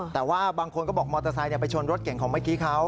แต่ว่าบางคนก็บอกมอเตอร์ไซค์ไปชนรถเก่งของเมื่อกี้เขา